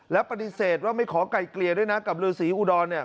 และปฏิเสธว่าไม่ขอไก่เกลี่ยด้วยนะกับฤษีอุดรเนี่ย